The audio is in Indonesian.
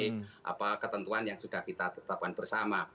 jadi apa ketentuan yang sudah kita tetapkan bersama